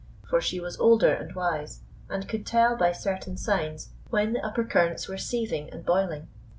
For she was older and wise, and could tell by certain signs when the upper currents were seething and boiling.